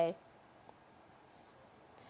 chuyển sang đoạn ba